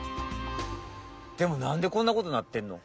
でもなんでこんなことになってんの？